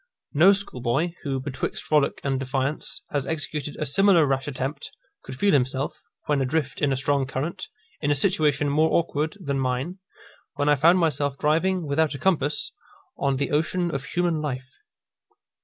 No schoolboy, who, betwixt frolic and defiance, has executed a similar rash attempt, could feel himself, when adrift in a strong current, in a situation more awkward than mine, when I found myself driving, without a compass, on the ocean of human life.